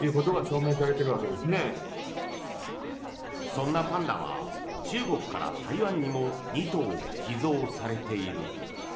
そんなパンダは中国から台湾にも２頭寄贈されている。